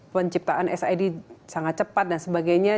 penciptaan sid sangat cepat dan sebagainya